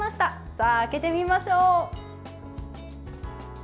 さあ、開けてみましょう。